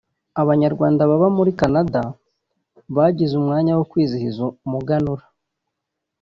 Abanyarwanda baba muri Canada bagize umwanya wo kwizihiza umuganura